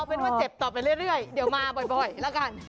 เป็นว่าเจ็บต่อไปเรื่อยเดี๋ยวมาบ่อยแล้วกัน